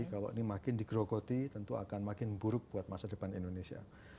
kalau ini makin digerogoti tentu akan makin buruk buat masa depan indonesia